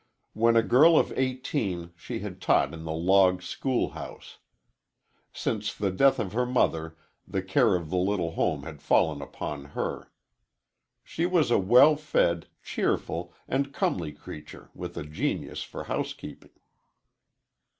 When a girl of eighteen she had taught in the log school house. Since the death of her mother the care of the little home had fallen upon her. She was a well fed, cheerful, and comely creature with a genius for housekeeping.